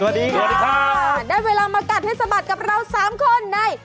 สวัสดีค่ะได้เวลามากัดให้สะบัดกับเราสามคนใน